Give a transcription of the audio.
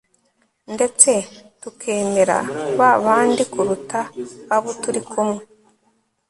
ndetse tukemera ba bandi kuruta abo turi kumwe